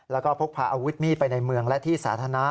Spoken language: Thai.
แล้วก็พกพาอาวุธมีดไปในเมืองและที่สาธารณะ